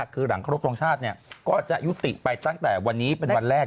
คือหลังครบทรงชาติก็จะยุติไปตั้งแต่วันนี้เป็นวันแรก